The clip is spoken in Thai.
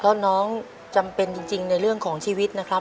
เพราะน้องจำเป็นจริงในเรื่องของชีวิตนะครับ